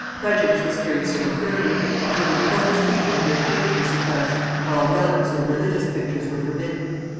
Prejudice was carried still further, and even the books treating of their faith were suppressed, while relics or religious pictures were forbidden.